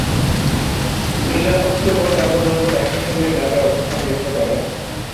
মিনার মক্তব ও তাঁবু নম্বর একই সঙ্গে ম্যাপে অবস্থান দেখতে পাবেন।